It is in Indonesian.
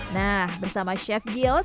nah bersama chef gils saya angga